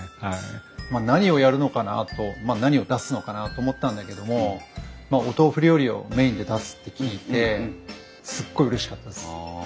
何をやるのかなと何を出すのかなと思ったんだけどもまあお豆腐料理をメインで出すって聞いてすっごいうれしかったです。